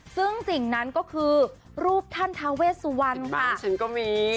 ซึ่งสิ่งนั้นก็คือรูปท่านทาเวสวรรณค่ะดิฉันก็มี